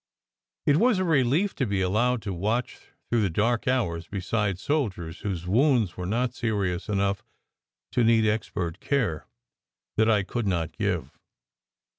It was a relief to be allowed to watch through the dark hours beside soldiers whose wounds were not serious enough to need expert care that I could not give.